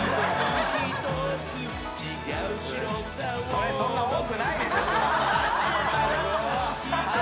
それそんな多くないですよ。